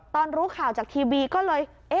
รู้ข่าวจากทีวีก็เลย